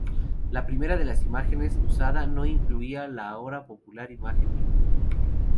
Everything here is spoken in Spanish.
La primera de las imágenes usada no incluía la ahora popular imagen del búho.